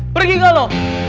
pergi gak lo